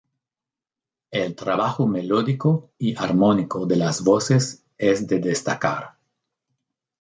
El trabajo melódico y armónico de las voces es de destacar.